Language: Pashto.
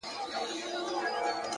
دښایستونو خدایه اور ته به مي سم نیسې;